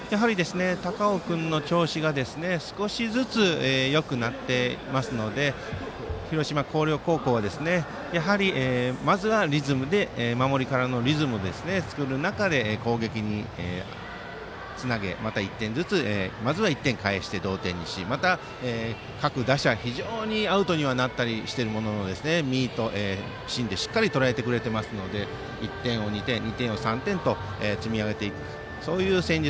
高尾君の調子が少しずつよくなっていますので広島・広陵高校は、まずは守りからのリズムを作る中で攻撃につなげ、また１点ずつまずは１点返して同点にしてまた各打者、非常にアウトにはなっているもののミート、芯でしっかりとらえてくれていますので１点、２点と積み上げていく戦術。